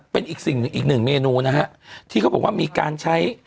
เป็นอีกสิ่งหนึ่งอีกหนึ่งเมนูนะฮะที่เขาบอกว่ามีการใช้